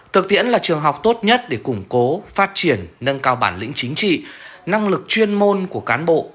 thực tiễn là trường học tốt nhất để củng cố phát triển nâng cao bản lĩnh chính trị năng lực chuyên môn của cán bộ